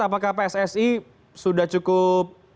apakah pssi sudah cukup